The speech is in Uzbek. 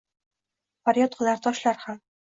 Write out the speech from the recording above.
Faryod qilar toshlar ham